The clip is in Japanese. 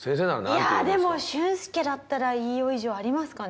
でも「俊介だったらいいよ」以上ありますかね？